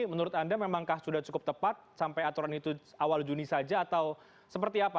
menurut anda memangkah sudah cukup tepat sampai aturan itu awal juni saja atau seperti apa